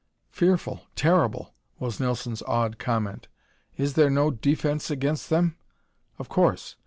"Fearful, terrible!" was Nelson's awed comment. "Is there no defence against them?" "Of course."